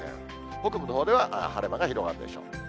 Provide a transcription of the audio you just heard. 北部のほうでは晴れ間が広がるでしょう。